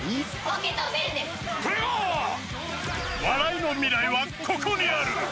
笑いの未来は、ここにある！